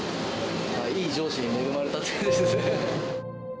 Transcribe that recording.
いい上司に恵まれたって感じですね。